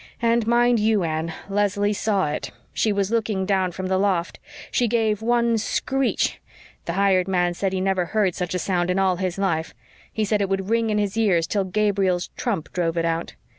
And mind you, Anne, Leslie saw it. She was looking down from the loft. She gave one screech the hired man said he never heard such a sound in all his life he said it would ring in his ears till Gabriel's trump drove it out.